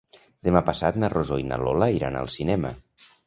Demà passat na Rosó i na Lola iran al cinema.